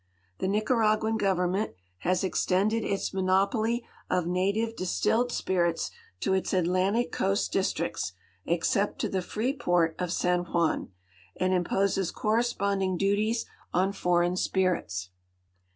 Tiie Nicaraguan government has extended its monopoly of irative dis tilled spirits to its Atlantic coast districts, except to the free port of San Juan, and imposes corresponding duties on foreign spirits.